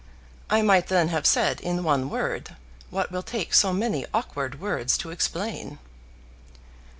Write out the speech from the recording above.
I might then have said in one word what will take so many awkward words to explain.